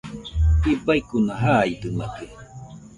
Ibaikuna jaidɨmakɨ